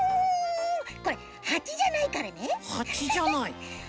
これハチじゃないからね。